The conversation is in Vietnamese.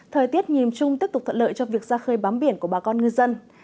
thời tiết nhìm chung tiếp tục thận lợi cho việc ra khơi bám biển của bà con ngư dân